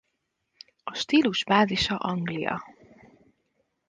A stílus bázisa Anglia.